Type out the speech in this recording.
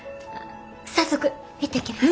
早速行ってきます。